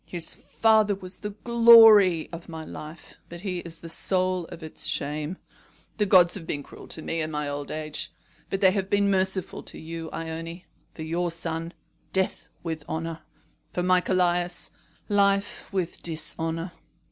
His father was the glory of my life, but he is the soul of its shame. The gods have been cruel to me in my old age; but they have been merciful to you, Ione. For your son, death with honour. For my Callias, life with dishonour.